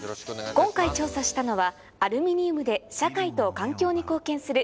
今回調査したのはアルミニウムで社会と環境に貢献する「ＵＡＣＪ」